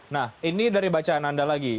nah ini dari bacaan anda lagi